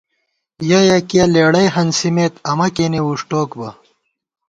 یَہ یَکِہ لېڑَئی ہنسِمېت امہ کېنے وُݭٹوک بہ